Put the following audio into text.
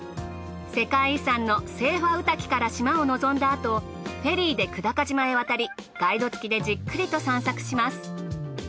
世界遺産の斎場御嶽から島を望んだあとフェリーで久高島へ渡りガイド付きでじっくりと散策します。